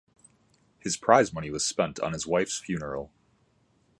His prize money was spent on his wife's funeral.